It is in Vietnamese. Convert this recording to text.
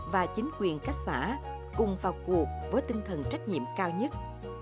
và chính quyền các xã cùng vào cuộc với tinh thần trách nhiệm cao nhất